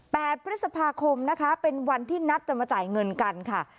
พฤษภาคมนะคะเป็นวันที่นัดจะมาจ่ายเงินกันค่ะ